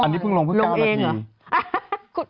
อันนี้เพิ่งลงเพิ่ง๙นาที